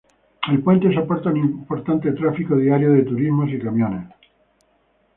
El puente soporta un importante tráfico diario de turismos y camiones.